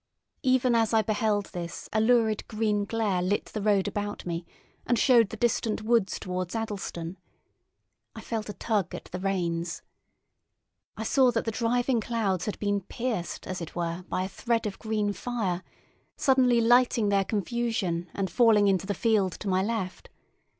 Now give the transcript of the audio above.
Even as I beheld this a lurid green glare lit the road about me and showed the distant woods towards Addlestone. I felt a tug at the reins. I saw that the driving clouds had been pierced as it were by a thread of green fire, suddenly lighting their confusion and falling into the field to my left.